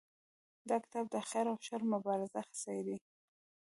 دا کتاب د خیر او شر مبارزه څیړي.